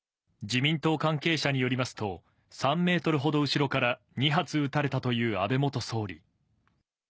自民党関係者によりますと、３メートルほど後ろから２発撃たれたという安倍元総理。